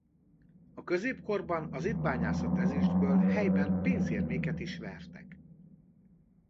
A középkorban az itt bányászott ezüstből helyben pénzérméket is vertek.